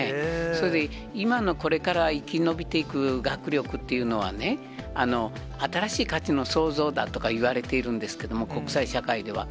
それで今のこれから、生き延びていく学力というのはね、新しい価値の創造だとかいわれているんですけれども、国際社会では。